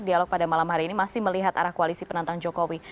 dialog pada malam hari ini masih melihat arah koalisi penantang jokowi